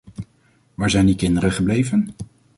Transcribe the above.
Waar zijn die kinderen gebleven?